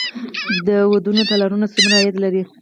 د ودونو تالارونه څومره عاید لري؟